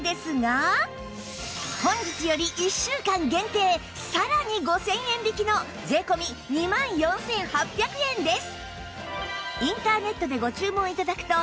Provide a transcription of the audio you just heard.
本日より１週間限定さらに５０００円引きの税込２万４８００円です